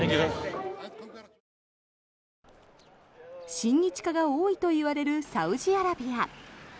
親日家が多いといわれるサウジアラビア。